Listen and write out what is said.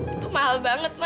itu mahal banget ma